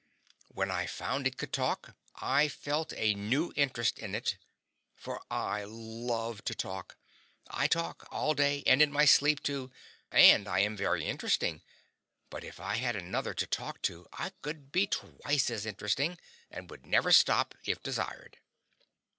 When I found it could talk I felt a new interest in it, for I love to talk; I talk, all day, and in my sleep, too, and I am very interesting, but if I had another to talk to I could be twice as interesting, and would never stop, if desired.